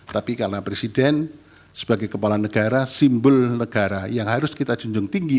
tapi karena presiden sebagai kepala negara simbol negara yang harus kita junjung tinggi